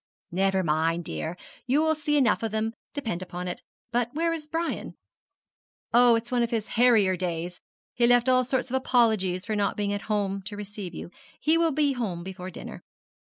'Never mind, dear, you will see enough of them, depend upon it. But where is Brian?' 'Oh! it is one of his harrier days. He left all sorts of apologies for not being at home to receive you. He will be home before dinner.